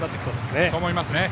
そう思います。